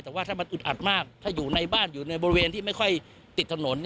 แต่ว่าถ้ามันอึดอัดมากถ้าอยู่ในบ้านอยู่ในบริเวณที่ไม่ค่อยติดถนน